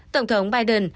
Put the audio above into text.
tổng thống biden